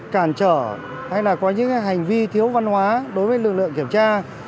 cản trở hay là có những hành vi thiếu văn hóa đối với lực lượng kiểm tra